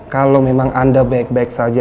kalau memang anda baik baik saja